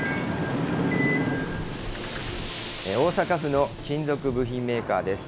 大阪府の金属部品メーカーです。